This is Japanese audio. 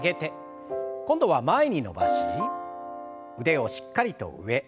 今度は前に伸ばし腕をしっかりと上。